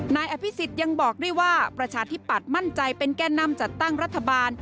นายอภิษฎยังบอกด้วยว่าประชาธิปัตย์มั่นใจเป็นแก่นำจัดตั้งรัฐบาล